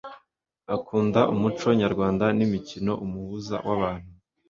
akunda umuco nyarwanda n'imikino, umuhuza w'abantu